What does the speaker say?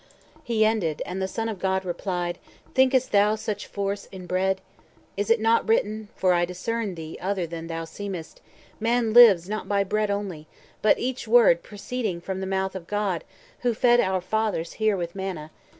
He ended, and the Son of God replied:— "Think'st thou such force in bread? Is it not written (For I discern thee other than thou seem'st), Man lives not by bread only, but each word Proceeding from the mouth of God, who fed 350 Our fathers here with manna?